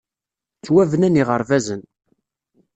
Ttwabnan yiɣerbazen.